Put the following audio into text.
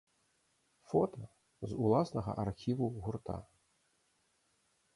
Фота з ўласнага архіву гурта.